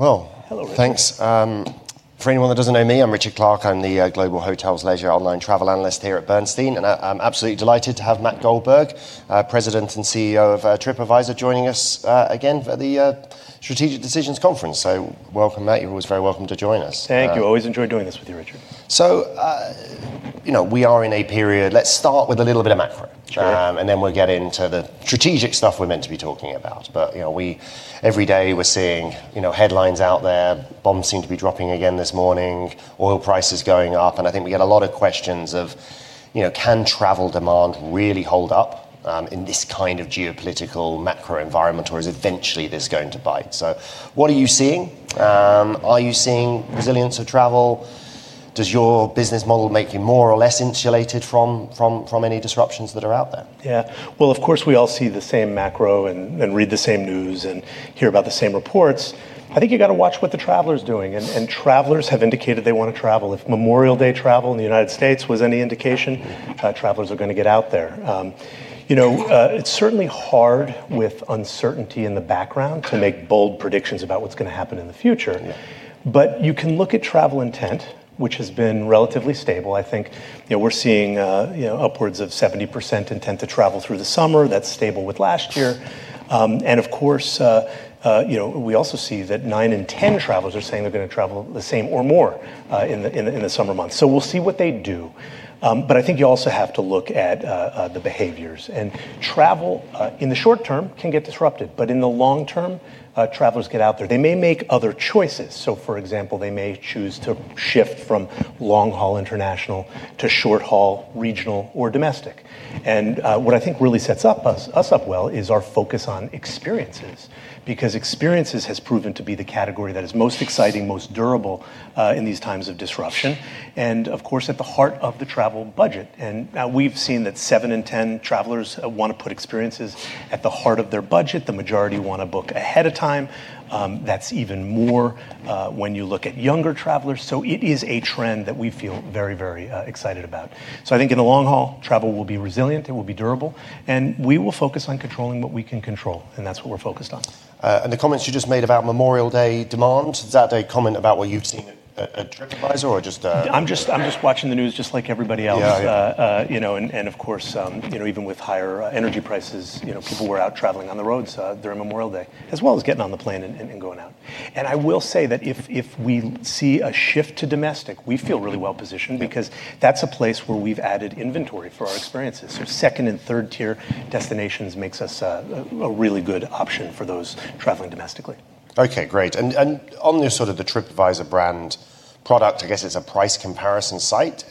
Well- Hello, Richard Thanks. For anyone that doesn't know me, I'm Richard Clarke. I'm the Global Hotels Leisure Online Travel Analyst here at Bernstein, I'm absolutely delighted to have Matt Goldberg, President and CEO of TripAdvisor joining us again for the Strategic Decisions Conference. Welcome, Matt. You're always very welcome to join us. Thank you. Always enjoy doing this with you, Richard. We are in a period. Let's start with a little bit of macro- Sure Then we'll get into the strategic stuff we're meant to be talking about. Every day we're seeing headlines out there, bombs seem to be dropping again this morning, oil prices going up. I think we get a lot of questions of, can travel demand really hold up in this kind of geopolitical macro environment, or is eventually this going to bite? What are you seeing? Are you seeing resilience of travel? Does your business model make you more or less insulated from any disruptions that are out there? Yeah. Well, of course, we all see the same macro and read the same news and hear about the same reports. I think you got to watch what the traveler's doing, and travelers have indicated they want to travel. If Memorial Day travel in the U.S. was any indication, travelers are going to get out there. It's certainly hard with uncertainty in the background to make bold predictions about what's going to happen in the future. Yeah. You can look at travel intent, which has been relatively stable. I think, we're seeing upwards of 70% intent to travel through the summer. That's stable with last year. Of course, we also see that nine in 10 travelers are saying they're going to travel the same or more in the summer months. We'll see what they do. I think you also have to look at the behaviors. Travel, in the short term, can get disrupted, but in the long term, travelers get out there. They may make other choices. For example, they may choose to shift from long-haul international to short-haul regional or domestic. What I think really sets us up well is our focus on experiences, because experiences has proven to be the category that is most exciting, most durable in these times of disruption, and of course, at the heart of the travel budget. We've seen that seven in 10 travelers want to put experiences at the heart of their budget. The majority want to book ahead of time. That's even more when you look at younger travelers. It is a trend that we feel very excited about. I think in the long haul, travel will be resilient, it will be durable, and we will focus on controlling what we can control, and that's what we're focused on. The comments you just made about Memorial Day demand, is that a comment about what you've seen at TripAdvisor or just? I'm just watching the news just like everybody else. Yeah. Of course, even with higher energy prices, people were out traveling on the roads during Memorial Day, as well as getting on the plane and going out. I will say that if we see a shift to domestic, we feel really well-positioned because that's a place where we've added inventory for our experiences. Two-tier and three-tier destinations makes us a really good option for those traveling domestically. Okay, great. On the TripAdvisor brand product, I guess as a price comparison site,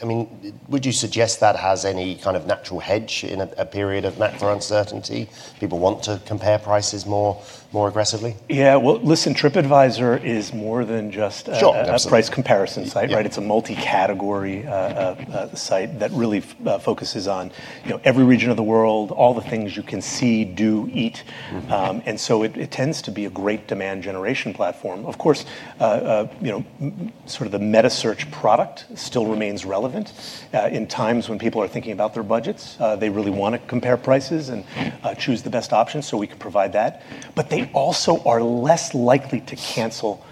would you suggest that has any kind of natural hedge in a period of macro uncertainty? People want to compare prices more aggressively? Yeah. Well, listen, TripAdvisor is more than just. Sure a price comparison site, right? It's a multi-category site that really focuses on every region of the world, all the things you can see, do, eat. It tends to be a great demand generation platform. Of course, sort of the meta search product still remains relevant. In times when people are thinking about their budgets, they really want to compare prices and choose the best option, so we can provide that. They also are less likely to cancel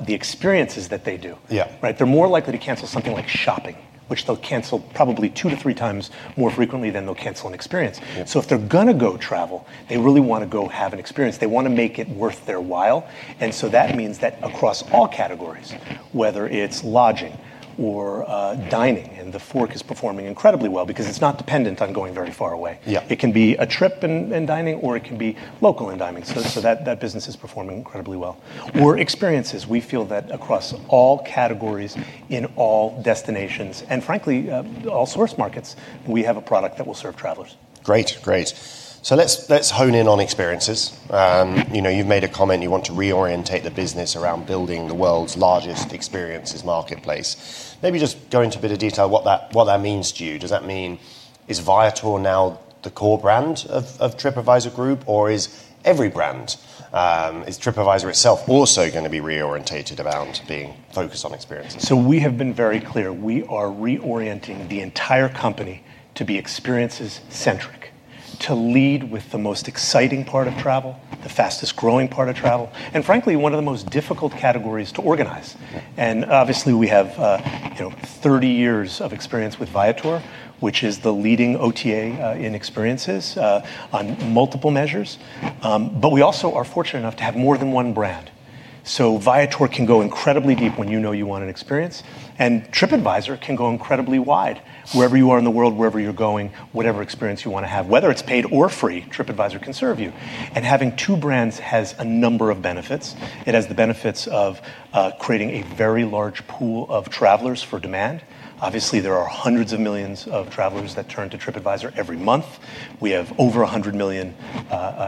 the experiences that they do. Yeah. Right? They're more likely to cancel something like shopping, which they'll cancel probably two to three times more frequently than they'll cancel an experience. Yeah. If they're going to go travel, they really want to go have an experience. They want to make it worth their while. That means that across all categories, whether it's lodging or dining, and TheFork is performing incredibly well because it's not dependent on going very far away. Yeah. It can be a trip and dining, or it can be local and dining. That business is performing incredibly well. Experiences, we feel that across all categories in all destinations, and frankly, all source markets, we have a product that will serve travelers. Let's hone in on experiences. You've made a comment you want to reorientate the business around building the world's largest experiences marketplace. Maybe just go into a bit of detail what that means to you. Does that mean, is Viator now the core brand of TripAdvisor Group, or is TripAdvisor itself also going to be reorientated around being focused on experiences? We have been very clear. We are reorienting the entire company to be experiences-centric, to lead with the most exciting part of travel, the fastest-growing part of travel, and frankly, one of the most difficult categories to organize. Obviously, we have 30 years of experience with Viator, which is the leading OTA in experiences on multiple measures. We also are fortunate enough to have more than one brand. Viator can go incredibly deep when you know you want an experience, and TripAdvisor can go incredibly wide. Wherever you are in the world, wherever you're going, whatever experience you want to have, whether it's paid or free, TripAdvisor can serve you. Having two brands has a number of benefits. It has the benefits of creating a very large pool of travelers for demand. Obviously, there are hundreds of millions of travelers that turn to TripAdvisor every month. We have over 100 million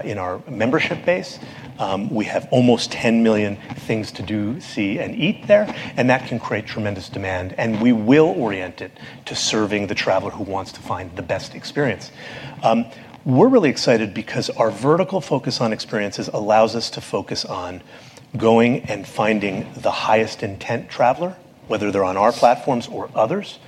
in our membership base. We have almost 10 million things to do, see, and eat there, and that can create tremendous demand, and we will orient it to serving the traveler who wants to find the best experience. We're really excited because our vertical focus on experiences allows us to focus on going and finding the highest intent traveler, whether they're on our platforms or others,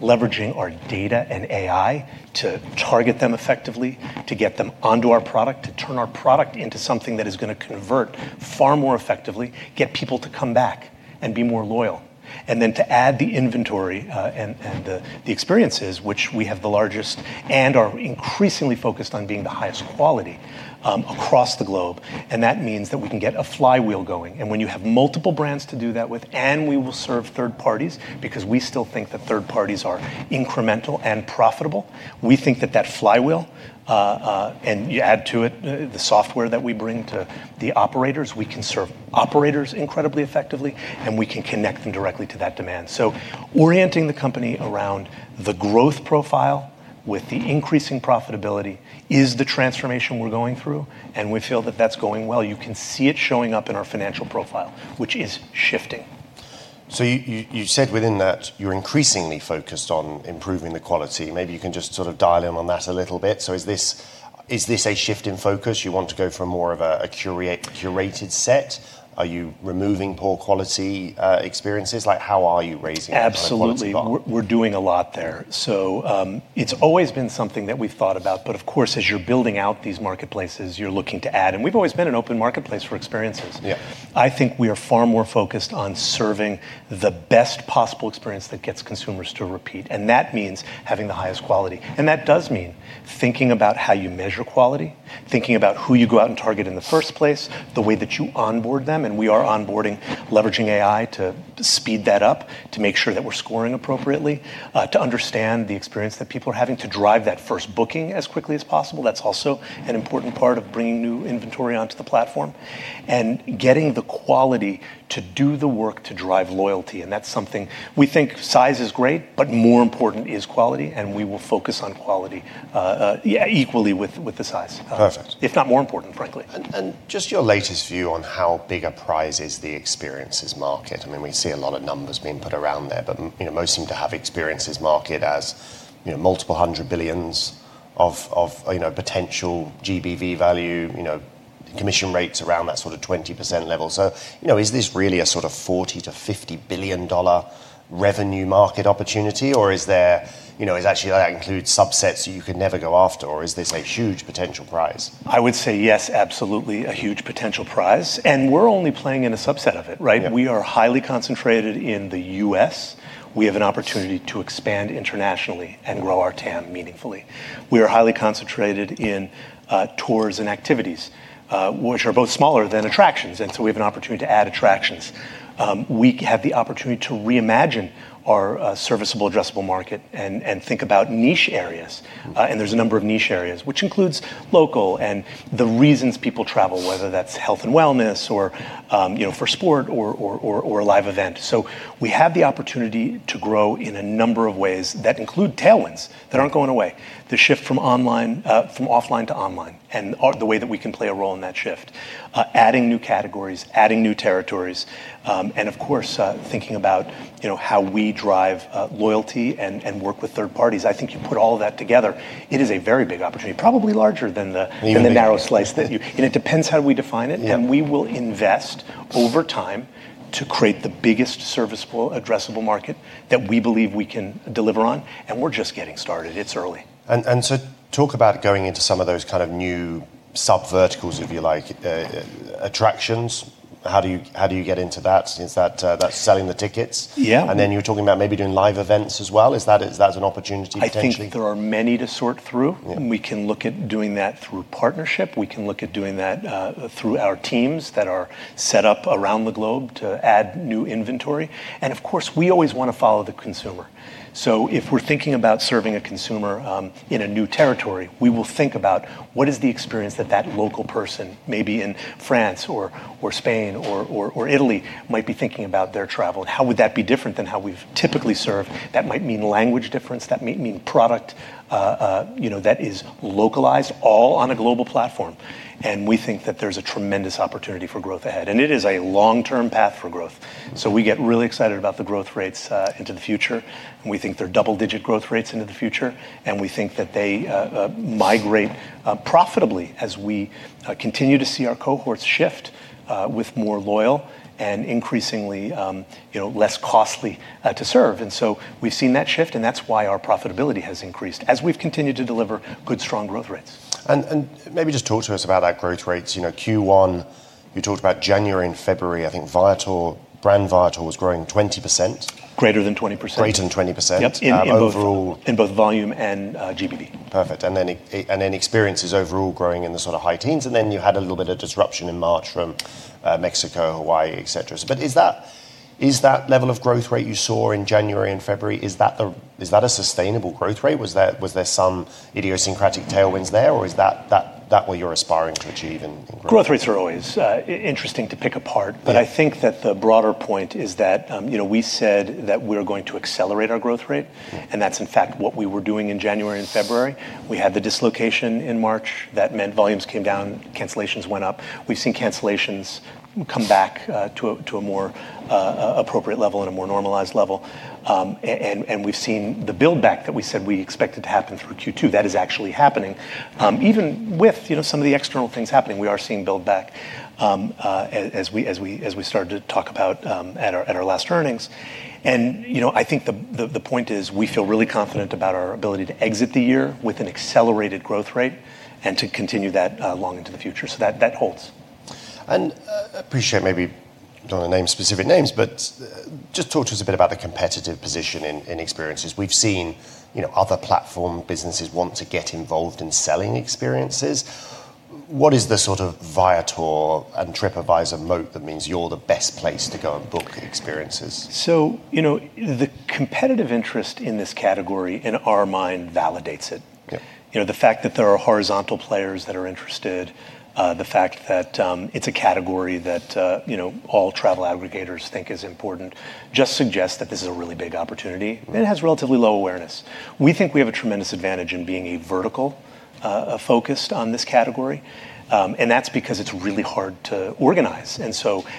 leveraging our data and AI to target them effectively, to get them onto our product. Turn our product into something that is going to convert far more effectively, get people to come back and be more loyal. Then to add the inventory and the experiences, which we have the largest and are increasingly focused on being the highest quality, across the globe. That means that we can get a flywheel going. When you have multiple brands to do that with, and we will serve third parties, because we still think that third parties are incremental and profitable. We think that that flywheel, and you add to it the software that we bring to the operators, we can serve operators incredibly effectively, and we can connect them directly to that demand. Orienting the company around the growth profile with the increasing profitability is the transformation we are going through, and we feel that that is going well. You can see it showing up in our financial profile, which is shifting. You said within that you're increasingly focused on improving the quality. Maybe you can just sort of dial in on that a little bit. Is this a shift in focus? You want to go for more of a curated set? Are you removing poor quality experiences? How are you raising the quality bar? Absolutely. We're doing a lot there. It's always been something that we've thought about, but of course, as you're building out these marketplaces, you're looking to add, and we've always been an open marketplace for experiences. Yeah. I think we are far more focused on serving the best possible experience that gets consumers to repeat, and that means having the highest quality. That does mean thinking about how you measure quality, thinking about who you go out and target in the first place, the way that you onboard them, and we are onboarding, leveraging AI to speed that up, to make sure that we're scoring appropriately, to understand the experience that people are having to drive that first booking as quickly as possible. That's also an important part of bringing new inventory onto the platform. Getting the quality to do the work to drive loyalty, that's something. We think size is great, but more important is quality, and we will focus on quality, yeah, equally with the size. Perfect. If not more important, frankly. Just your latest view on how big a prize is the experiences market. We see a lot of numbers being put around there, but most seem to have experiences market as multiple hundred billions of potential GBV value, commission rates around that sort of 20% level. Is this really a sort of $40 billion-$50 billion revenue market opportunity, or is actually that includes subsets you can never go after, or is this a huge potential prize? I would say yes, absolutely, a huge potential prize, and we're only playing in a subset of it, right? Yeah. We are highly concentrated in the U.S. We have an opportunity to expand internationally and grow our TAM meaningfully. We are highly concentrated in tours and activities, which are both smaller than attractions. We have an opportunity to add attractions. We have the opportunity to reimagine our serviceable addressable market and think about niche areas. There's a number of niche areas, which includes local and the reasons people travel, whether that's health and wellness or for sport or a live event. We have the opportunity to grow in a number of ways that include tailwinds that aren't going away. The shift from offline to online, and the way that we can play a role in that shift. Adding new categories, adding new territories, and of course, thinking about how we drive loyalty and work with third parties. I think you put all of that together, it is a very big opportunity, probably larger than the narrow slice. It depends how we define it. Yeah. We will invest over time to create the biggest serviceable addressable market that we believe we can deliver on, and we're just getting started. It's early. Talk about going into some of those kind of new subverticals, if you like, attractions. How do you get into that? Is that selling the tickets? Yeah. You were talking about maybe doing live events as well. Is that an opportunity potentially? I think there are many to sort through, and we can look at doing that through partnership, we can look at doing that through our teams that are set up around the globe to add new inventory. Of course, we always want to follow the consumer. If we're thinking about serving a consumer in a new territory, we will think about what is the experience that that local person, maybe in France or Spain or Italy, might be thinking about their travel, and how would that be different than how we've typically served. That might mean language difference, that might mean product that is localized all on a global platform. We think that there's a tremendous opportunity for growth ahead, and it is a long-term path for growth. We get really excited about the growth rates into the future. We think they're double-digit growth rates into the future. We think that they migrate profitably as we continue to see our cohorts shift with more loyal and increasingly less costly to serve. We've seen that shift, and that's why our profitability has increased as we've continued to deliver good, strong growth rates. Maybe just talk to us about that growth rates. Q1, you talked about January and February, I think brand Viator was growing 20%. Greater than 20%. Greater than 20%? Yep. And overall- In both volume and GBV. Perfect. Experiences overall growing in the sort of high teens, you had a little bit of disruption in March from Mexico, Hawaii, et cetera. Is that level of growth rate you saw in January and February, is that a sustainable growth rate? Was there some idiosyncratic tailwinds there, is that what you're aspiring to achieve in growth? Growth rates are always interesting to pick apart. Right. I think that the broader point is that we said that we're going to accelerate our growth rate, and that's in fact what we were doing in January and February. We had the dislocation in March. That meant volumes came down, cancellations went up. We've seen cancellations come back to a more appropriate level and a more normalized level. We've seen the build-back that we said we expected to happen through Q2. That is actually happening. Even with some of the external things happening, we are seeing build back, as we started to talk about at our last earnings. I think the point is we feel really confident about our ability to exit the year with an accelerated growth rate and to continue that long into the future. That holds. I appreciate, maybe don't want to name specific names, but just talk to us a bit about the competitive position in experiences. We've seen other platform businesses want to get involved in selling experiences. What is the sort of Viator and TripAdvisor moat that means you're the best place to go and book experiences? The competitive interest in this category, in our mind, validates it. Okay. The fact that there are horizontal players that are interested, the fact that it's a category that all travel aggregators think is important, just suggests that this is a really big opportunity, and it has relatively low awareness. We think we have a tremendous advantage in being a vertical, focused on this category. That's because it's really hard to organize.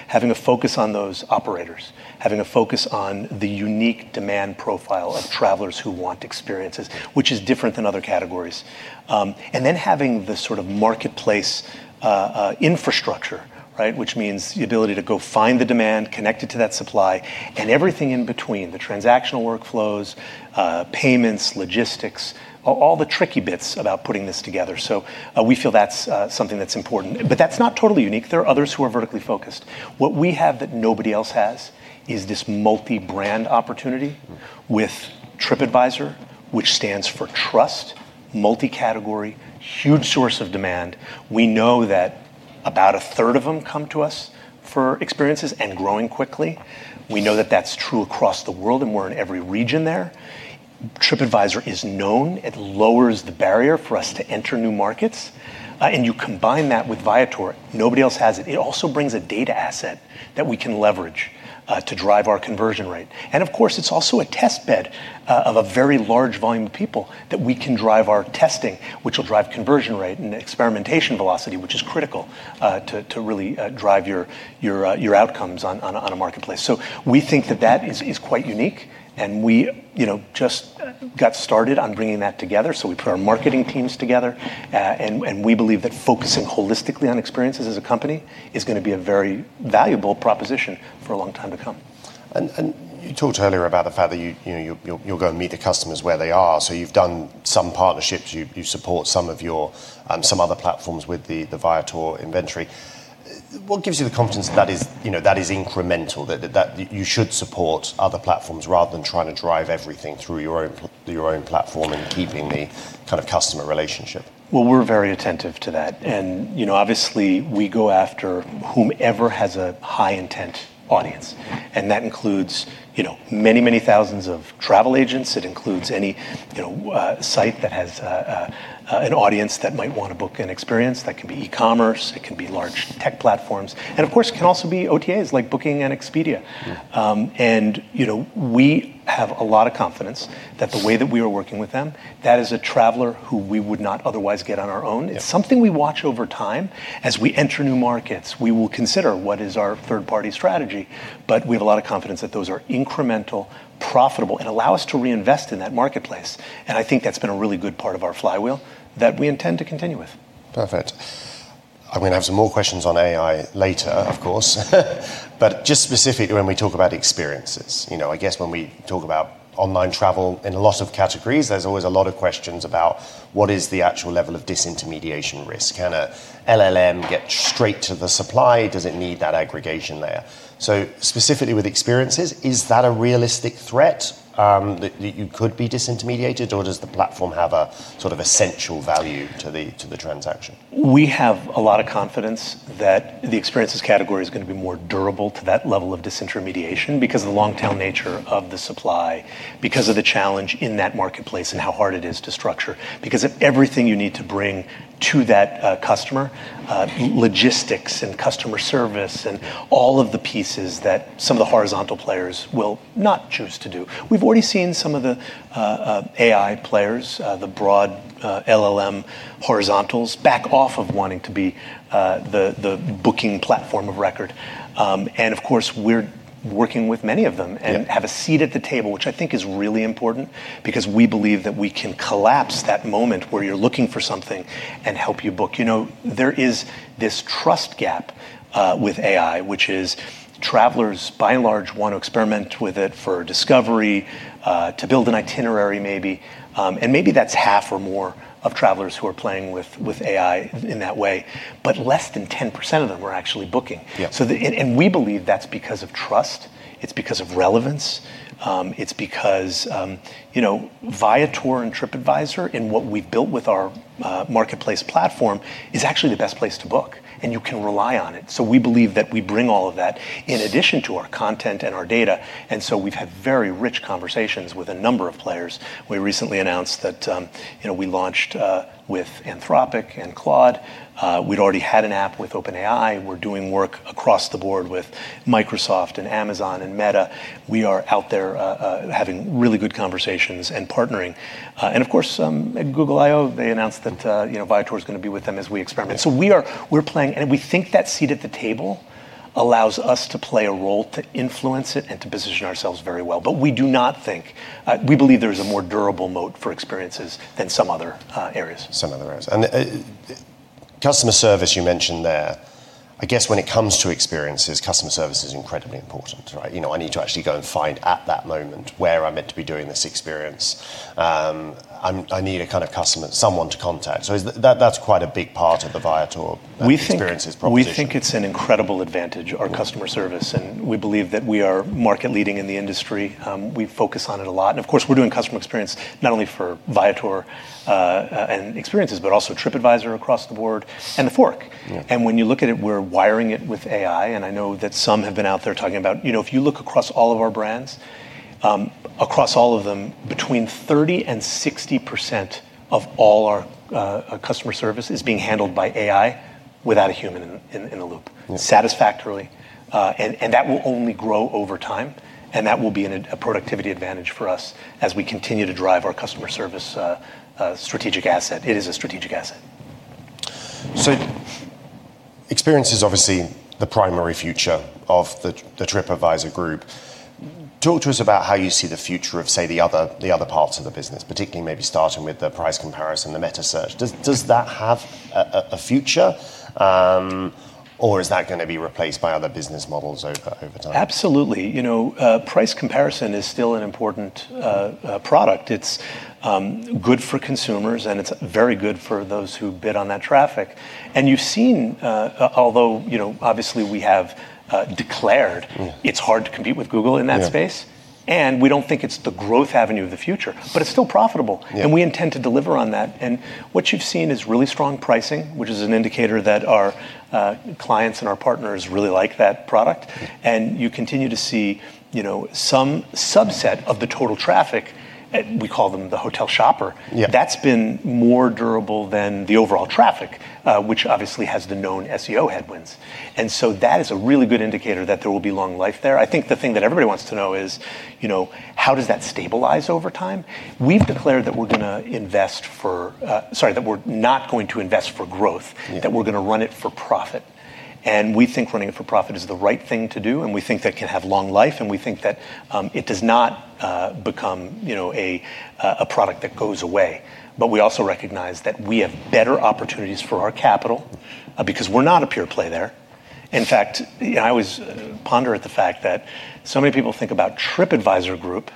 Having a focus on those operators, having a focus on the unique demand profile of travelers who want experiences, which is different than other categories. Having the sort of marketplace infrastructure, right, which means the ability to go find the demand, connect it to that supply, and everything in between, the transactional workflows, payments, logistics, all the tricky bits about putting this together. We feel that's something that's important. That's not totally unique. There are others who are vertically focused. What we have that nobody else has is this multi-brand opportunity with TripAdvisor, which stands for trust, multi-category, huge source of demand. We know that about a third of them come to us for experiences, and growing quickly. We know that that's true across the world, and we're in every region there. TripAdvisor is known. It lowers the barrier for us to enter new markets. You combine that with Viator, nobody else has it. It also brings a data asset that we can leverage to drive our conversion rate. Of course, it's also a test bed of a very large volume of people that we can drive our testing, which will drive conversion rate and experimentation velocity, which is critical to really drive your outcomes on a marketplace. We think that that is quite unique, and we just got started on bringing that together. We put our marketing teams together, and we believe that focusing holistically on experiences as a company is going to be a very valuable proposition for a long time to come. You talked earlier about the fact that you'll go and meet the customers where they are. You've done some partnerships. You support some other platforms with the Viator inventory. What gives you the confidence that is incremental, that you should support other platforms rather than trying to drive everything through your own platform and keeping the customer relationship? Well, we're very attentive to that. Obviously, we go after whomever has a high-intent audience. That includes many thousands of travel agents. It includes any site that has an audience that might want to book an experience. That can be e-commerce, it can be large tech platforms, and of course, it can also be OTAs, like Booking and Expedia. Yeah. We have a lot of confidence that the way that we are working with them, that is a traveler who we would not otherwise get on our own. Yeah. It's something we watch over time. As we enter new markets, we will consider what is our third-party strategy, but we have a lot of confidence that those are incremental, profitable, and allow us to reinvest in that marketplace. I think that's been a really good part of our flywheel that we intend to continue with. Perfect. I'm going to have some more questions on AI later, of course. Just specifically when we talk about experiences, I guess when we talk about online travel in a lot of categories, there's always a lot of questions about what is the actual level of disintermediation risk. Can an LLM get straight to the supply? Does it need that aggregation layer? Specifically with experiences, is that a realistic threat, that you could be disintermediated, or does the platform have a sort of essential value to the transaction? We have a lot of confidence that the experiences category is going to be more durable to that level of disintermediation because of the long-tail nature of the supply, because of the challenge in that marketplace and how hard it is to structure, because of everything you need to bring to that customer, logistics and customer service and all of the pieces that some of the horizontal players will not choose to do. We've already seen some of the AI players, the broad LLM horizontals, back off of wanting to be the booking platform of record. Of course, we're working with many of them. Yeah Have a seat at the table, which I think is really important because we believe that we can collapse that moment where you're looking for something and help you book. There is this trust gap with AI, which is travelers by and large, want to experiment with it for discovery, to build an itinerary, maybe. Maybe that's half or more of travelers who are playing with AI in that way. Less than 10% of them are actually booking. Yeah. We believe that's because of trust, it's because of relevance, it's because Viator and TripAdvisor, and what we've built with our marketplace platform is actually the best place to book, and you can rely on it. We believe that we bring all of that in addition to our content and our data. We've had very rich conversations with a number of players. We recently announced that we launched with Anthropic and Claude. We'd already had an app with OpenAI. We're doing work across the board with Microsoft and Amazon and Meta. We are out there having really good conversations and partnering. Of course, at Google I/O, they announced that Viator is going to be with them as we experiment. We're playing, and we think that seat at the table allows us to play a role to influence it and to position ourselves very well. We believe there is a more durable moat for experiences than some other areas. Some other areas. Customer service you mentioned there. I guess when it comes to experiences, customer service is incredibly important. I need to actually go and find at that moment where I'm meant to be during this experience. I need a kind of customer, someone to contact. That's quite a big part of the Viator experiences proposition. We think it's an incredible advantage, our customer service, and we believe that we are market leading in the industry. We focus on it a lot. Of course, we're doing customer experience not only for Viator and Experiences, but also TripAdvisor across the board and TheFork. Yeah. When you look at it, we're wiring it with AI, and I know that some have been out there talking about, if you look across all of our brands, across all of them, between 30%-60% of all our customer service is being handled by AI without a human in the loop, satisfactorily. That will only grow over time, and that will be a productivity advantage for us as we continue to drive our customer service strategic asset. It is a strategic asset. Experience is obviously the primary future of the TripAdvisor Group. Talk to us about how you see the future of, say, the other parts of the business, particularly maybe starting with the price comparison, the meta search. Does that have a future? Is that going to be replaced by other business models over time? Absolutely. Price comparison is still an important product. It's good for consumers, and it's very good for those who bid on that traffic. You've seen, although, obviously we have declared it's hard to compete with Google in that space, and we don't think it's the growth avenue of the future, but it's still profitable. Yeah. We intend to deliver on that. What you've seen is really strong pricing, which is an indicator that our clients and our partners really like that product. You continue to see some subset of the total traffic, we call them the hotel shopper. Yeah that's been more durable than the overall traffic, which obviously has the known SEO headwinds. That is a really good indicator that there will be long life there. I think the thing that everybody wants to know is, how does that stabilize over time? We've declared that we're not going to invest for growth, that we're going to run it for profit. We think running it for profit is the right thing to do, and we think that can have long life, and we think that it does not become a product that goes away. We also recognize that we have better opportunities for our capital, because we're not a pure play there. In fact, I always ponder at the fact that so many people think about TripAdvisor Group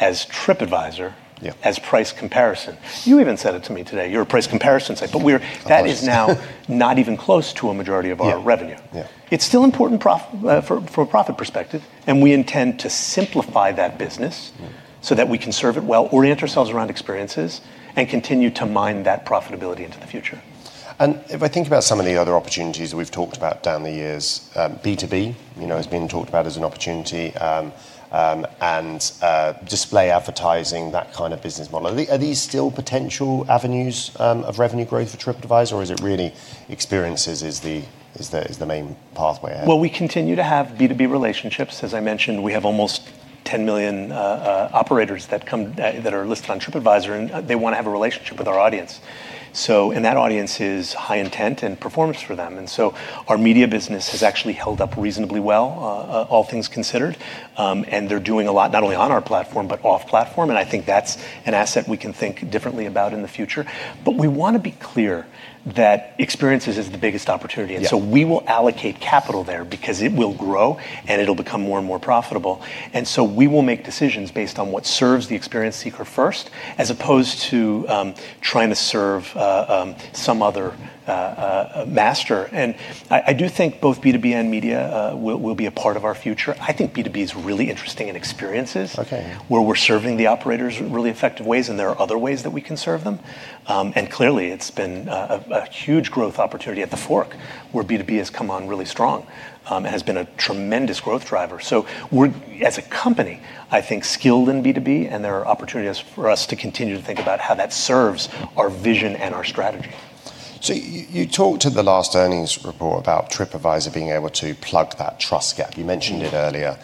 as TripAdvisor- Yeah as price comparison. You even said it to me today, "You're a price comparison site." That is now not even close to a majority of our revenue. Yeah. It's still important from a profit perspective, and we intend to simplify that business so that we can serve it well, orient ourselves around experiences, and continue to mine that profitability into the future. If I think about some of the other opportunities we've talked about down the years, B2B, has been talked about as an opportunity, and display advertising, that kind of business model. Are these still potential avenues of revenue growth for TripAdvisor, or is it really experiences is the main pathway ahead? We continue to have B2B relationships. As I mentioned, we have almost 10 million operators that are listed on TripAdvisor, and they want to have a relationship with our audience. That audience is high intent and performs for them. Our media business has actually held up reasonably well, all things considered. They're doing a lot, not only on our platform, but off platform, and I think that's an asset we can think differently about in the future. We want to be clear that experiences is the biggest opportunity. Yeah. We will allocate capital there because it will grow, and it'll become more and more profitable. We will make decisions based on what serves the experience seeker first, as opposed to trying to serve some other master. I do think both B2B and media will be a part of our future. I think B2B's really interesting in experiences. Okay where we're serving the operators in really effective ways, and there are other ways that we can serve them. Clearly, it's been a huge growth opportunity at TheFork, where B2B has come on really strong. It has been a tremendous growth driver. We're, as a company, I think skilled in B2B, and there are opportunities for us to continue to think about how that serves our vision and our strategy. You talked at the last earnings report about TripAdvisor being able to plug that trust gap. You mentioned it earlier,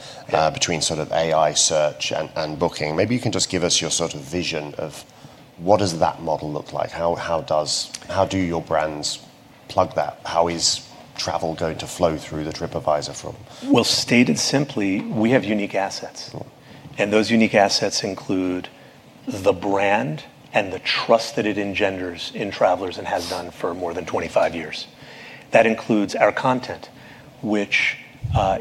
between sort of AI search and Booking. Maybe you can just give us your sort of vision of what does that model look like? How do your brands plug that? How is travel going to flow through the TripAdvisor funnel? Well, stated simply, we have unique assets. Yeah. Those unique assets include the brand and the trust that it engenders in travelers and has done for more than 25 years. That includes our content, which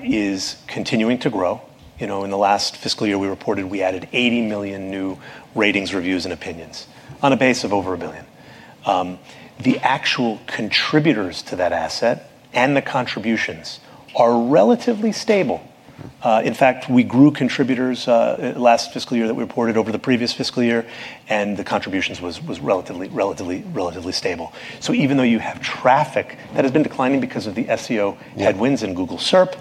is continuing to grow. In the last fiscal year, we reported we added 80 million new ratings, reviews, and opinions on a base of over 1 billion. The actual contributors to that asset and the contributions are relatively stable. In fact, we grew contributors last fiscal year that we reported over the previous fiscal year, and the contributions was relatively stable. Even though you have traffic that has been declining because of the SEO headwinds in Google SERP,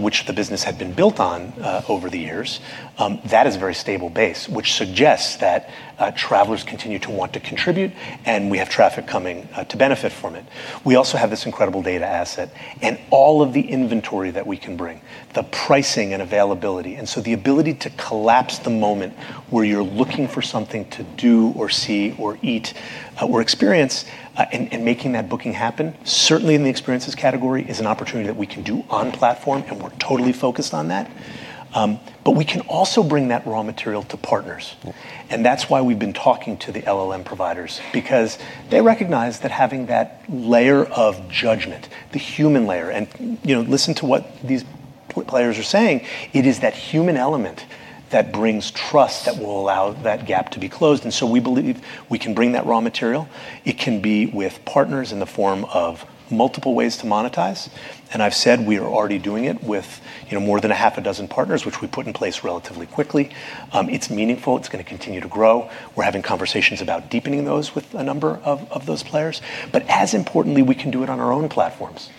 which the business had been built on over the years, that is a very stable base, which suggests that travelers continue to want to contribute, and we have traffic coming to benefit from it. We also have this incredible data asset and all of the inventory that we can bring, the pricing and availability. The ability to collapse the moment where you're looking for something to do or see or eat or experience, and making that booking happen, certainly in the experiences category, is an opportunity that we can do on platform, and we're totally focused on that. We can also bring that raw material to partners. Yeah. That's why we've been talking to the LLM providers because they recognize that having that layer of judgment, the human layer, and listen to what these players are saying, it is that human element that brings trust that will allow that gap to be closed. We believe we can bring that raw material. It can be with partners in the form of multiple ways to monetize. I've said we are already doing it with more than a half a dozen partners, which we put in place relatively quickly. It's meaningful. It's going to continue to grow. We're having conversations about deepening those with a number of those players. As importantly, we can do it on our own platforms.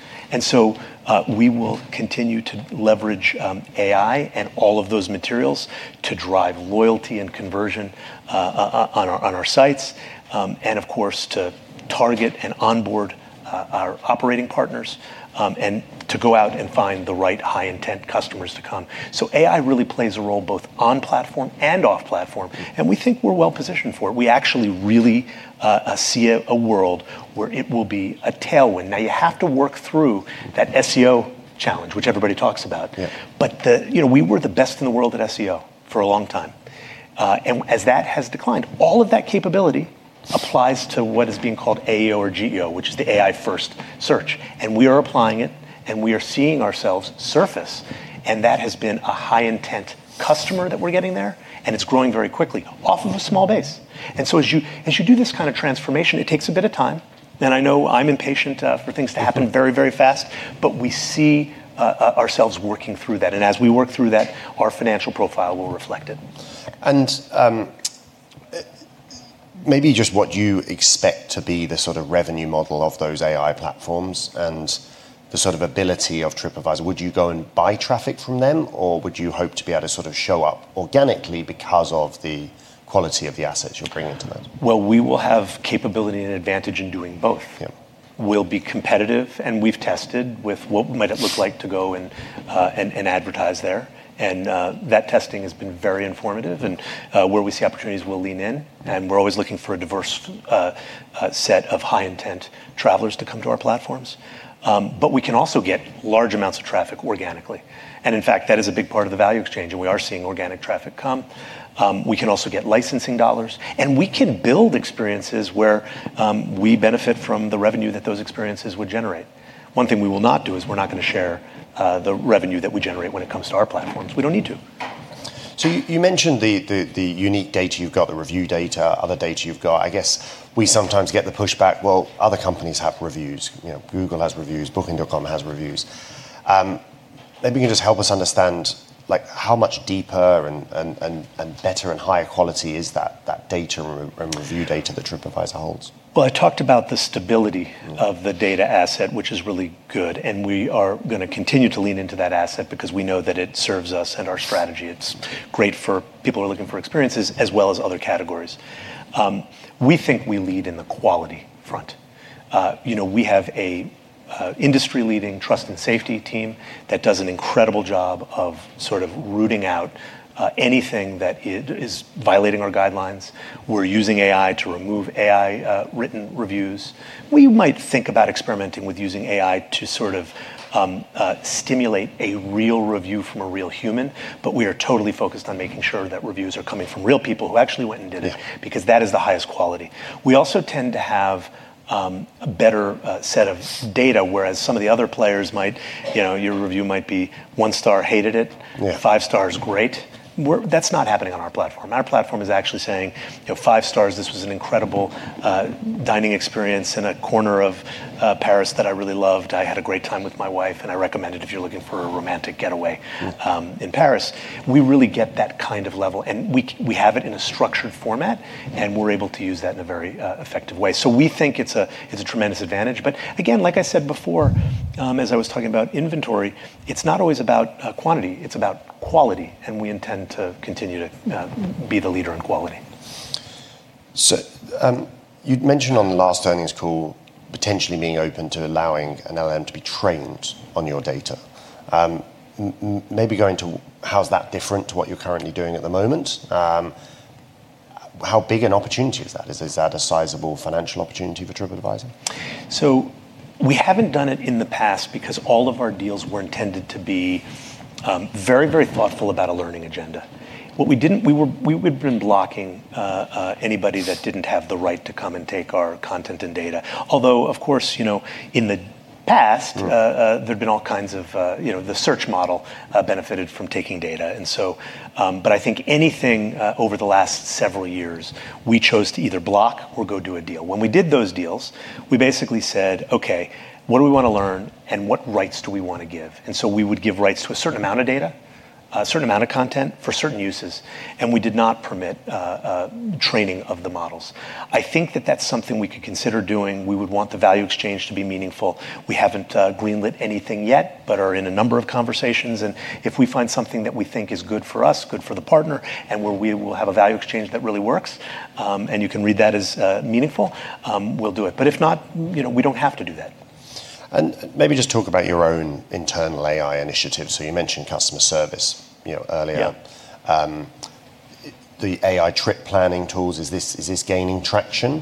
We will continue to leverage AI and all of those materials to drive loyalty and conversion on our sites. Of course, to target and onboard our operating partners, and to go out and find the right high-intent customers to come. AI really plays a role both on-platform and off-platform. We think we're well-positioned for it. We actually really see a world where it will be a tailwind. Now, you have to work through that SEO challenge, which everybody talks about. Yeah. We were the best in the world at SEO for a long time. As that has declined, all of that capability applies to what is being called AEO or GEO, which is the AI first search. We are applying it, and we are seeing ourselves surface, and that has been a high-intent customer that we're getting there, and it's growing very quickly off of a small base. As you do this kind of transformation, it takes a bit of time, and I know I'm impatient for things to happen very, very fast, but we see ourselves working through that. As we work through that, our financial profile will reflect it. Maybe just what you expect to be the sort of revenue model of those AI platforms and the sort of ability of TripAdvisor, would you go and buy traffic from them, or would you hope to be able to sort of show up organically because of the quality of the assets you're bringing to them? Well, we will have capability and advantage in doing both. Yeah. We'll be competitive, and we've tested with what might it look like to go and advertise there. That testing has been very informative. Where we see opportunities, we'll lean in, and we're always looking for a diverse set of high-intent travelers to come to our platforms. We can also get large amounts of traffic organically. In fact, that is a big part of the value exchange, and we are seeing organic traffic come. We can also get licensing dollars, and we can build experiences where we benefit from the revenue that those experiences would generate. One thing we will not do is we're not going to share the revenue that we generate when it comes to our platforms. We don't need to. You mentioned the unique data you've got, the review data, other data you've got. I guess we sometimes get the pushback, well, other companies have reviews. Google has reviews. Booking.com has reviews. Maybe you can just help us understand how much deeper and better and higher quality is that data and review data that TripAdvisor holds? Well, I talked about the stability of the data asset, which is really good, and we are going to continue to lean into that asset because we know that it serves us and our strategy. It's great for people who are looking for experiences as well as other categories. We think we lead in the quality front. We have an industry-leading trust and safety team that does an incredible job of sort of rooting out anything that is violating our guidelines. We're using AI to remove AI-written reviews. We might think about experimenting with using AI to sort of stimulate a real review from a real human, but we are totally focused on making sure that reviews are coming from real people who actually went and did it because that is the highest quality. We also tend to have a better set of data, whereas some of the other players might, your review might be one star, hated it, five stars, great. That's not happening on our platform. Our platform is actually saying, "Five stars, this was an incredible dining experience in a corner of Paris that I really loved. I had a great time with my wife, and I recommend it if you're looking for a romantic getaway in Paris." We really get that kind of level, and we have it in a structured format, and we're able to use that in a very effective way. We think it's a tremendous advantage. Again, like I said before, as I was talking about inventory, it's not always about quantity, it's about quality, and we intend to continue to be the leader in quality. You'd mentioned on the last earnings call potentially being open to allowing an LM to be trained on your data. Maybe go into how is that different to what you're currently doing at the moment? How big an opportunity is that? Is that a sizable financial opportunity for TripAdvisor? We haven't done it in the past because all of our deals were intended to be very, very thoughtful about a learning agenda. We've been blocking anybody that didn't have the right to come and take our content and data. Although, of course, in the past there've been all kinds of. The search model benefited from taking data. I think anything over the last several years, we chose to either block or go do a deal. When we did those deals, we basically said, "Okay, what do we want to learn, and what rights do we want to give?" We would give rights to a certain amount of data, a certain amount of content for certain uses, and we did not permit training of the models. I think that that's something we could consider doing. We would want the value exchange to be meaningful. We haven't greenlit anything yet, but are in a number of conversations, and if we find something that we think is good for us, good for the partner, and where we will have a value exchange that really works, and you can read that as meaningful, we'll do it. If not, we don't have to do that. Maybe just talk about your own internal AI initiatives. You mentioned customer service earlier. Yeah. The AI trip planning tools, is this gaining traction?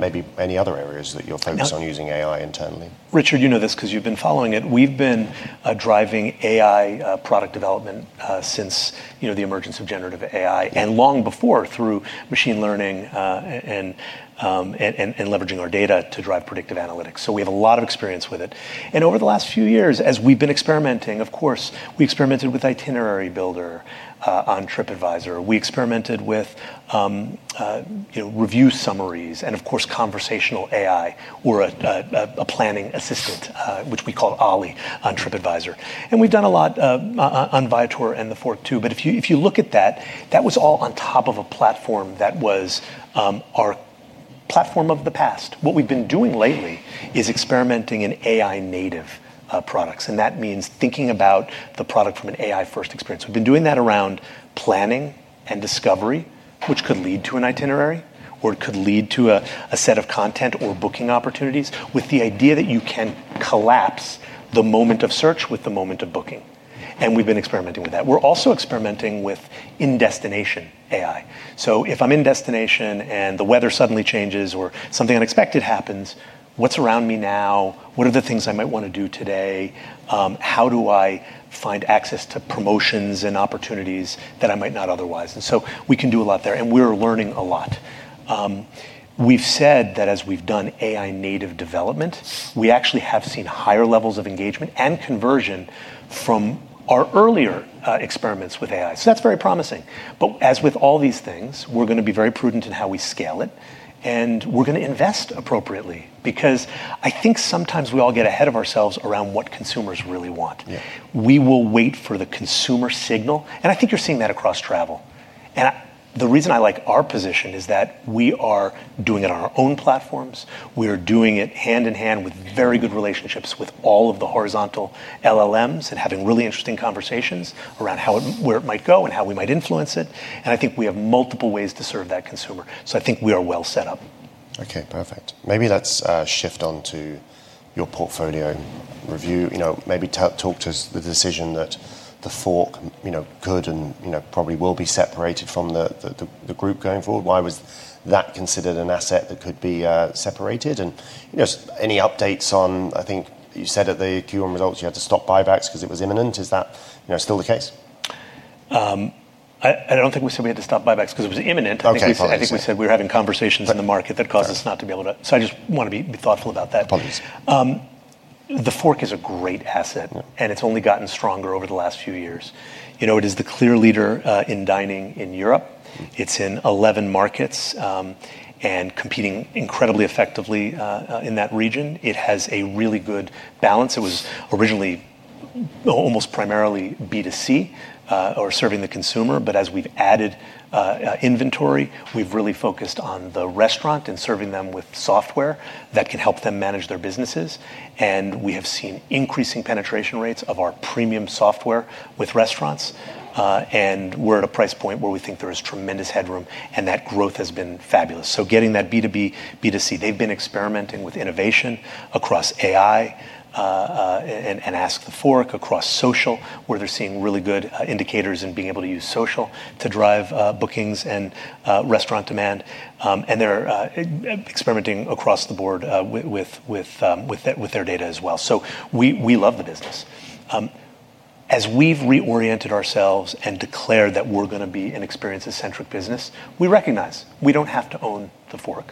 Maybe any other areas that you're focused on using AI internally. Richard, you know this because you've been following it. We've been driving AI product development since the emergence of generative AI, and long before through machine learning, and leveraging our data to drive predictive analytics. We have a lot of experience with it. Over the last few years, as we've been experimenting, of course, we experimented with Itinerary Builder on TripAdvisor. We experimented with review summaries and, of course, conversational AI or a planning assistant, which we call Ollie on TripAdvisor. We've done a lot on Viator and TheFork too. If you look at that was all on top of a platform that was our platform of the past. What we've been doing lately is experimenting in AI native products, and that means thinking about the product from an AI first experience. We've been doing that around planning and discovery, which could lead to an itinerary, or it could lead to a set of content or booking opportunities with the idea that you can collapse the moment of search with the moment of booking, and we've been experimenting with that. We're also experimenting with in-destination AI. If I'm in destination and the weather suddenly changes or something unexpected happens, what's around me now? What are the things I might want to do today? How do I find access to promotions and opportunities that I might not otherwise? We can do a lot there, and we're learning a lot. We've said that as we've done AI native development, we actually have seen higher levels of engagement and conversion from our earlier experiments with AI. That's very promising. As with all these things, we're going to be very prudent in how we scale it, and we're going to invest appropriately, because I think sometimes we all get ahead of ourselves around what consumers really want. Yeah. We will wait for the consumer signal, and I think you're seeing that across travel. The reason I like our position is that we are doing it on our own platforms. We are doing it hand in hand with very good relationships with all of the horizontal LLMs and having really interesting conversations around where it might go and how we might influence it. I think we have multiple ways to serve that consumer. I think we are well set up. Okay, perfect. Let's shift on to your portfolio review. Talk to the decision that TheFork could and probably will be separated from the group going forward. Why was that considered an asset that could be separated? Any updates on, I think you said at the Q1 results, you had to stop buybacks because it was imminent. Is that still the case? I don't think we said we had to stop buybacks because it was imminent. Okay. Apologies. I think we said we were having conversations in the market that caused us not to be able to, so I just want to be thoughtful about that. Apologies. TheFork is a great asset, and it's only gotten stronger over the last few years. It is the clear leader in dining in Europe. It's in 11 markets, and competing incredibly effectively in that region. It has a really good balance. It was originally almost primarily B2C, or serving the consumer. As we've added inventory, we've really focused on the restaurant and serving them with software that can help them manage their businesses. We have seen increasing penetration rates of our premium software with restaurants. We're at a price point where we think there is tremendous headroom, and that growth has been fabulous. Getting that B2B, B2C, they've been experimenting with innovation across AI, and Ask TheFork, across social, where they're seeing really good indicators in being able to use social to drive bookings and restaurant demand. They're experimenting across the board with their data as well. We love the business. As we've reoriented ourselves and declared that we're going to be an experiences centric business, we recognize we don't have to own TheFork.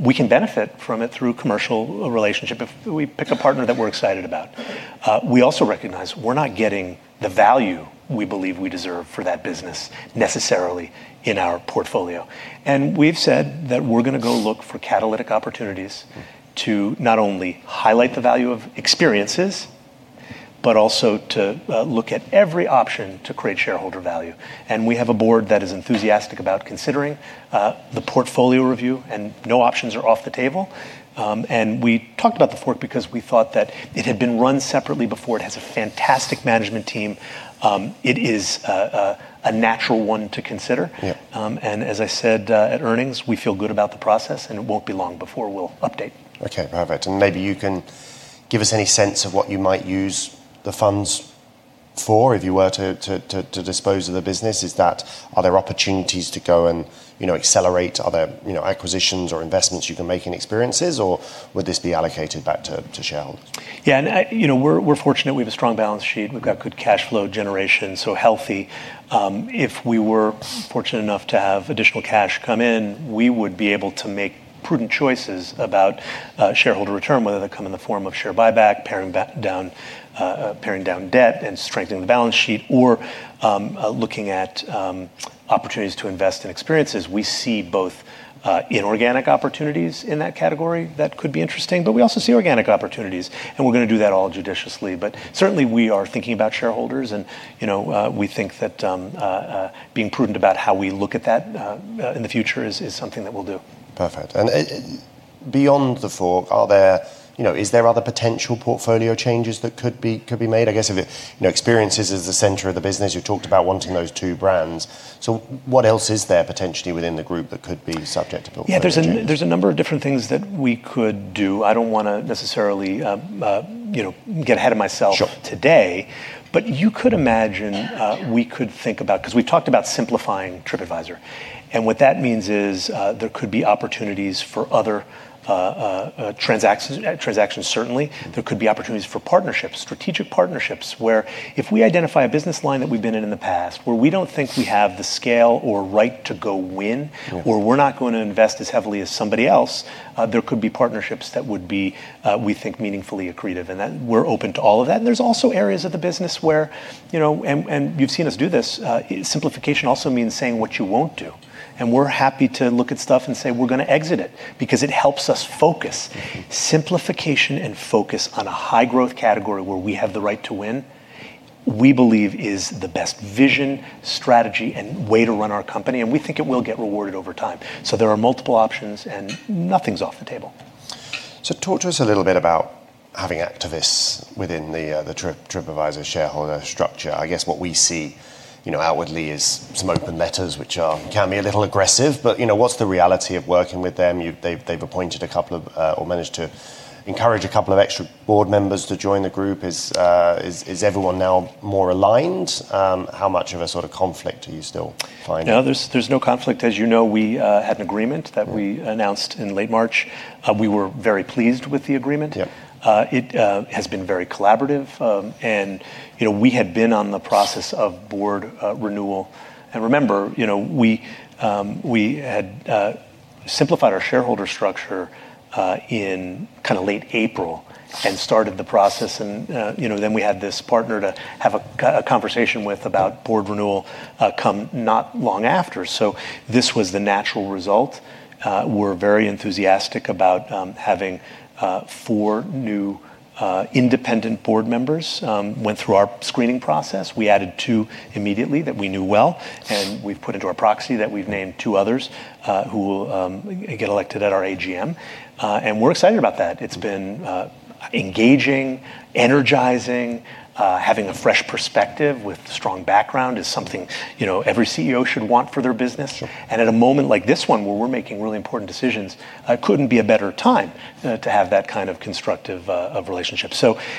We can benefit from it through commercial relationship if we pick a partner that we're excited about. We also recognize we're not getting the value we believe we deserve for that business necessarily in our portfolio. We've said that we're going to go look for catalytic opportunities to not only highlight the value of experiences, but also to look at every option to create shareholder value. We have a board that is enthusiastic about considering the portfolio review, and no options are off the table. We talked about TheFork because we thought that it had been run separately before. It has a fantastic management team. It is a natural one to consider. Yeah. As I said at earnings, we feel good about the process, and it won't be long before we'll update. Okay, perfect. Maybe you can give us any sense of what you might use the funds for if you were to dispose of the business. Are there opportunities to go and accelerate other acquisitions or investments you can make in experiences, or would this be allocated back to shareholders? We're fortunate we have a strong balance sheet. We've got good cash flow generation, so healthy. If we were fortunate enough to have additional cash come in, we would be able to make prudent choices about shareholder return, whether they come in the form of share buyback, paring down debt, and strengthening the balance sheet, or looking at opportunities to invest in experiences. We see both inorganic opportunities in that category that could be interesting, but we also see organic opportunities, and we're going to do that all judiciously. Certainly, we are thinking about shareholders, and we think that being prudent about how we look at that in the future is something that we'll do. Perfect. Beyond TheFork, are there other potential portfolio changes that could be made? I guess if Experiences is the center of the business, you talked about wanting those two brands. What else is there potentially within the group that could be subject to portfolio changes? Yeah, there's a number of different things that we could do. I don't want to necessarily get ahead of myself. Sure today. You could imagine, we could think about. We've talked about simplifying TripAdvisor. What that means is, there could be opportunities for other transactions, certainly. There could be opportunities for strategic partnerships, where if we identify a business line that we've been in in the past where we don't think we have the scale or right to go win. Sure We're not going to invest as heavily as somebody else, there could be partnerships that would be, we think, meaningfully accretive, and we're open to all of that. There's also areas of the business where, and you've seen us do this, simplification also means saying what you won't do. We're happy to look at stuff and say we're going to exit it, because it helps us focus. Simplification and focus on a high-growth category where we have the right to win, we believe is the best vision, strategy, and way to run our company, and we think it will get rewarded over time. There are multiple options, and nothing's off the table. Talk to us a little bit about having activists within the TripAdvisor shareholder structure. I guess what we see outwardly is some open letters, which can be a little aggressive. What's the reality of working with them? They've appointed a couple of, or managed to encourage a couple of extra board members to join the group. Is everyone now more aligned? How much of a sort of conflict are you still finding? No, there's no conflict. As you know, we had an agreement that we announced in late March. We were very pleased with the agreement. Yeah. It has been very collaborative. We had been on the process of board renewal. Remember, we had simplified our shareholder structure in late April and started the process, and then we had this partner to have a conversation with about board renewal come not long after. This was the natural result. We're very enthusiastic about having four new independent board members. Went through our screening process. We added two immediately that we knew well, and we've put into our proxy that we've named two others, who will get elected at our AGM. We're excited about that. It's been engaging, energizing, having a fresh perspective with a strong background is something every CEO should want for their business. Sure. At a moment like this one, where we're making really important decisions, it couldn't be a better time to have that kind of constructive relationship.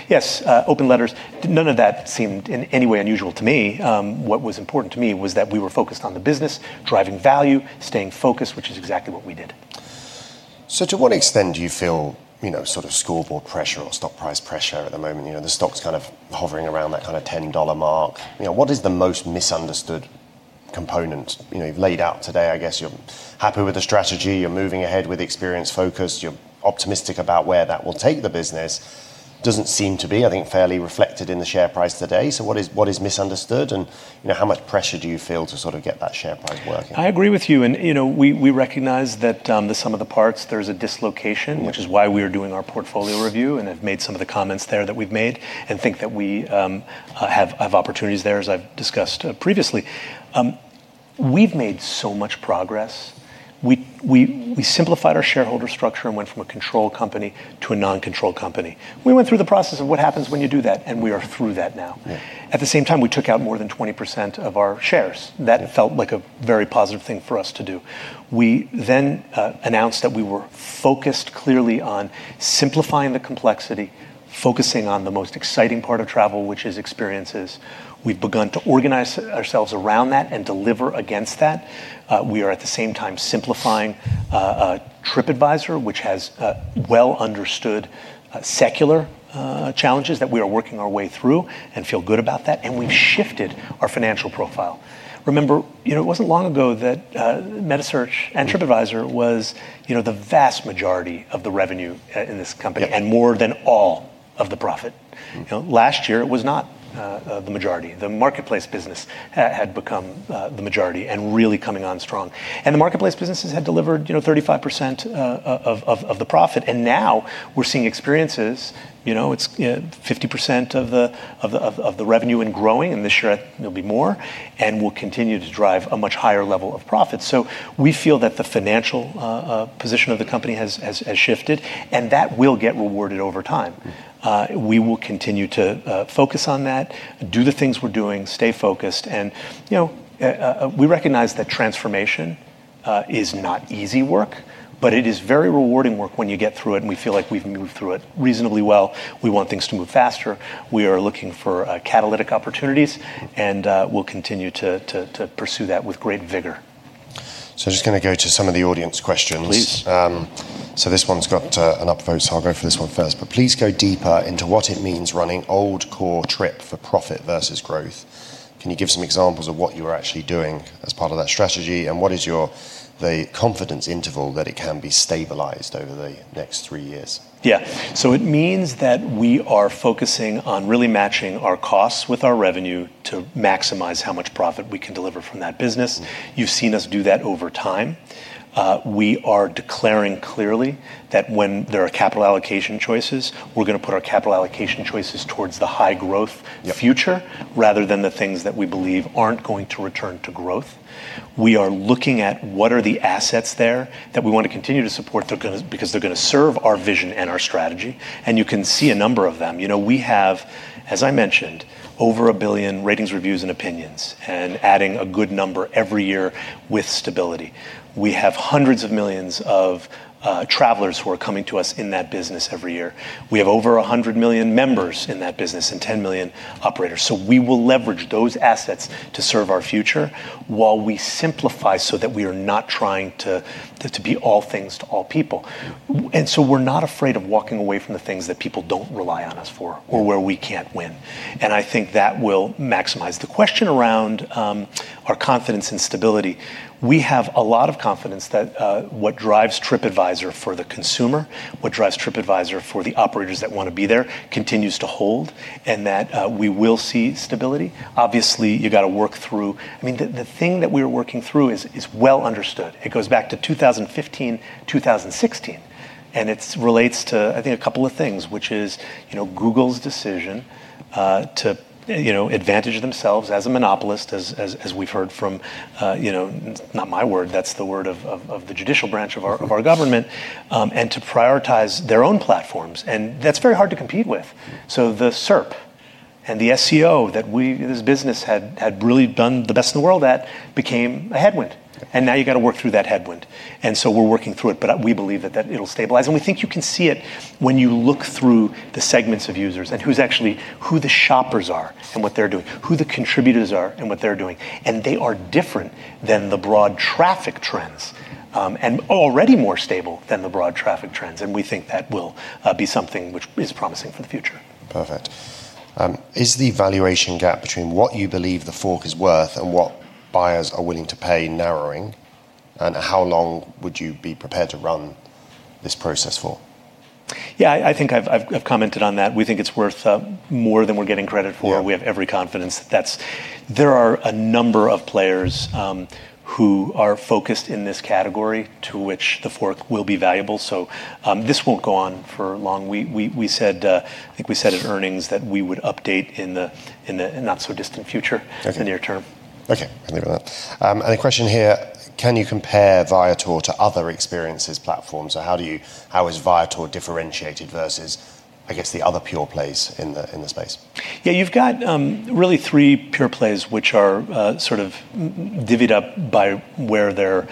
Yes, open letters, none of that seemed in any way unusual to me. What was important to me was that we were focused on the business, driving value, staying focused, which is exactly what we did. To what extent do you feel scoreboard pressure or stock price pressure at the moment? The stock's hovering around that $10 mark. What is the most misunderstood component? You've laid out today, I guess you're happy with the strategy, you're moving ahead with experience focus, you're optimistic about where that will take the business. Doesn't seem to be, I think, fairly reflected in the share price today. What is misunderstood and how much pressure do you feel to sort of get that share price working? I agree with you. We recognize that the sum of the parts, there's a dislocation, which is why we are doing our portfolio review, and have made some of the comments there that we've made, and think that we have opportunities there, as I've discussed previously. We've made so much progress. We simplified our shareholder structure and went from a controlled company to a non-controlled company. We went through the process of what happens when you do that, and we are through that now. Yeah. At the same time, we took out more than 20% of our shares. That felt like a very positive thing for us to do. We then announced that we were focused clearly on simplifying the complexity, focusing on the most exciting part of travel, which is experiences. We've begun to organize ourselves around that and deliver against that. We are at the same time simplifying TripAdvisor, which has well understood secular challenges that we are working our way through and feel good about that. We've shifted our financial profile. Remember, it wasn't long ago that metasearch and TripAdvisor was the vast majority of the revenue in this company. Yeah More than all of the profit. Last year, it was not the majority. The marketplace business had become the majority and really coming on strong. The marketplace businesses had delivered 35% of the profit. Now we're seeing Experiences, it's 50% of the revenue and growing, and this year there'll be more, and will continue to drive a much higher level of profit. We feel that the financial position of the company has shifted, and that will get rewarded over time. We will continue to focus on that, do the things we're doing, stay focused, and we recognize that transformation is not easy work, but it is very rewarding work when you get through it, and we feel like we've moved through it reasonably well. We want things to move faster. We are looking for catalytic opportunities. We'll continue to pursue that with great vigor. Just going to go to some of the audience questions. Please. This one's got an up vote, so I'll go for this one first. Please go deeper into what it means running old core Trip for profit versus growth. Can you give some examples of what you are actually doing as part of that strategy, and what is the confidence interval that it can be stabilized over the next three years? It means that we are focusing on really matching our costs with our revenue to maximize how much profit we can deliver from that business. You've seen us do that over time. We are declaring clearly that when there are capital allocation choices, we're going to put our capital allocation choices towards the high-growth future, rather than the things that we believe aren't going to return to growth. We are looking at what are the assets there that we want to continue to support because they're going to serve our vision and our strategy, and you can see a number of them. We have, as I mentioned, over a billion ratings, reviews, and opinions, and adding a good number every year with stability. We have hundreds of millions of travelers who are coming to us in that business every year. We have over 100 million members in that business and 10 million operators. We will leverage those assets to serve our future while we simplify so that we are not trying to be all things to all people. We're not afraid of walking away from the things that people don't rely on us for or where we can't win, and I think that will maximize. The question around our confidence and stability, we have a lot of confidence that what drives TripAdvisor for the consumer, what drives TripAdvisor for the operators that want to be there, continues to hold, and that we will see stability. Obviously, the thing that we are working through is well understood. It goes back to 2015, 2016, and it relates to, I think, a couple of things, which is Google's decision to advantage themselves as a monopolist, as we've heard from, not my word, that's the word of the judicial branch of our government, and to prioritize their own platforms. That's very hard to compete with. The SERP and the SEO that this business had really done the best in the world at, became a headwind, and now you've got to work through that headwind. We're working through it, but we believe that it'll stabilize. We think you can see it when you look through the segments of users and who the shoppers are and what they're doing, who the contributors are and what they're doing. They are different than the broad traffic trends, and already more stable than the broad traffic trends, and we think that will be something which is promising for the future. Perfect. Is the valuation gap between what you believe TheFork is worth and what buyers are willing to pay narrowing? How long would you be prepared to run this process for? Yeah, I think I've commented on that. We think it's worth more than we're getting credit for. Yeah. We have every confidence. There are a number of players who are focused in this category to which TheFork will be valuable, so this won't go on for long. I think we said in earnings that we would update in the not so distant future. Okay. In the near term. Okay, I believe that. A question here, can you compare Viator to other experiences platforms? How is Viator differentiated versus, I guess, the other pure plays in the space? You've got really three pure plays, which are sort of divvied up by where their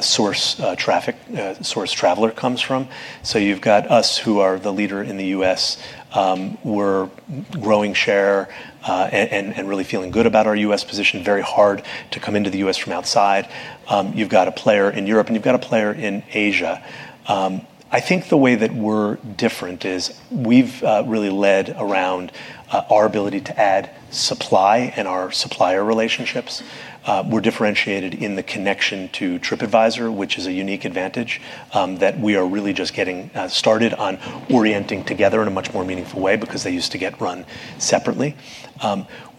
source traveler comes from. You've got us, who are the leader in the U.S. We're growing share, and really feeling good about our U.S. position. Very hard to come into the U.S. from outside. You've got a player in Europe, and you've got a player in Asia. I think the way that we're different is we've really led around our ability to add supply and our supplier relationships. We're differentiated in the connection to TripAdvisor, which is a unique advantage that we are really just getting started on orienting together in a much more meaningful way, because they used to get run separately.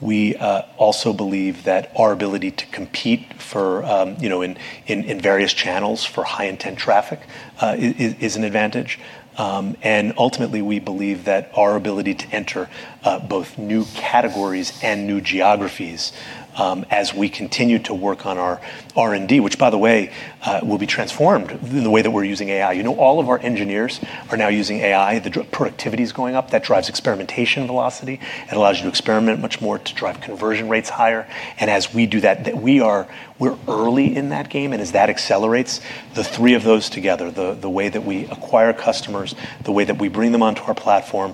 We also believe that our ability to compete in various channels for high-intent traffic is an advantage. Ultimately, we believe that our ability to enter both new categories and new geographies, as we continue to work on our R&D, which by the way, will be transformed in the way that we're using AI. All of our engineers are now using AI. The productivity's going up. That drives experimentation velocity and allows you to experiment much more to drive conversion rates higher. As we do that, we're early in that game, and as that accelerates, the three of those together, the way that we acquire customers, the way that we bring them onto our platform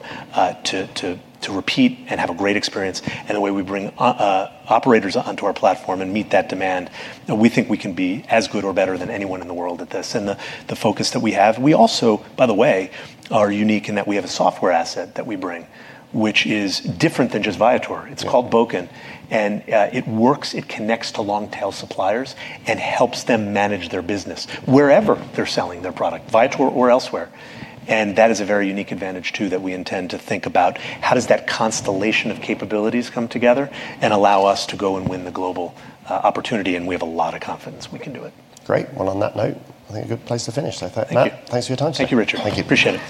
to repeat and have a great experience, and the way we bring operators onto our platform and meet that demand, we think we can be as good or better than anyone in the world at this. The focus that we have. We also, by the way, are unique in that we have a software asset that we bring, which is different than just Viator. Yeah. It's called Bókun. It works, it connects to long-tail suppliers, and helps them manage their business wherever they're selling their product, Viator or elsewhere. That is a very unique advantage, too, that we intend to think about how does that constellation of capabilities come together and allow us to go and win the global opportunity? We have a lot of confidence we can do it. Great. Well, on that note, I think a good place to finish. Thank you. Matt, thanks for your time today. Thank you, Richard. Thank you. Appreciate it.